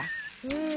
うん。